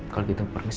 kalau gitu permisi bu